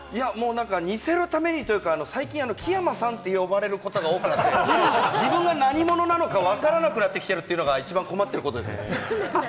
似せるためにというか、最近、木山さんと呼ばれることが多くて、自分が何者なのかわからなくなってきているというのが、一番困っていることですね。